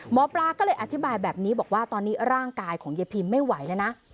หมอปลาก็เลยอธิบายแบบนี้บอกว่าตอนนี้ร่างกายของยายพิมไม่ไหวแล้วนะ